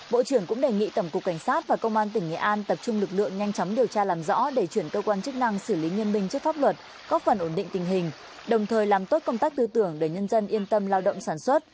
bộ trưởng cũng đề nghị tổng cục cảnh sát và công an tỉnh nghệ an tập trung lực lượng nhanh chóng điều tra làm rõ để chuyển cơ quan chức năng xử lý nhân minh trước pháp luật góp phần ổn định tình hình đồng thời làm tốt công tác tư tưởng để nhân dân yên tâm lao động sản xuất